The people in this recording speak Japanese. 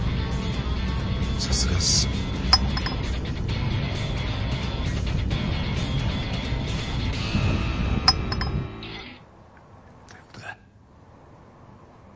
さすがっすどういうことだ？